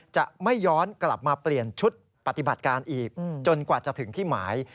จะไม่ย้อนกลับมาเปลี่ยนชุดปฏิบัติการอีกจนกว่าจะถึงที่หมาย